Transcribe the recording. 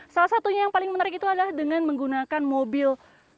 salah satunya yang paling menarik itu adalah dengan menggunakan mobil